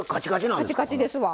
カチカチですわ。